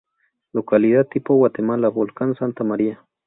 Localidad tipo: Guatemala: Volcán Santa María.